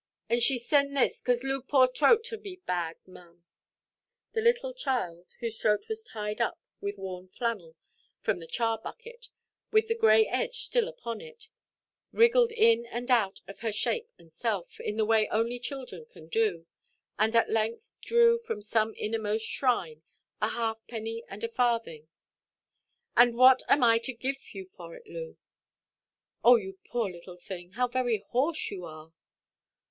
And she send this, 'cause Looʼs poor troat be bad, maʼam." The little child, whose throat was tied up with worn flannel from the char–bucket, with the grey edge still upon it, wriggled in and out of her shape and self, in the way only children can do; and at length drew, from some innermost shrine, a halfpenny and a farthing. "And what am I to give you for it, Loo? Oh, you poor little thing, how very hoarse you are!"